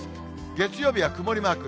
月曜日は曇りマーク。